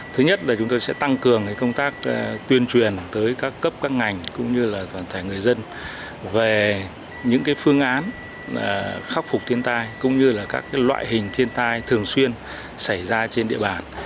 thứ nhất là chúng tôi sẽ tăng cường công tác tuyên truyền tới các cấp các ngành cũng như là toàn thể người dân về những phương án khắc phục thiên tai cũng như là các loại hình thiên tai thường xuyên xảy ra trên địa bàn